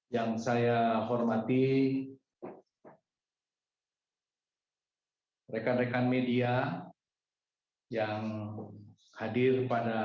yang saya hormati rekan rekan media yang hadir pada